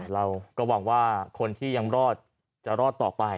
เราก็หวังว่าคนที่ยังรอดจะรอดต่อไป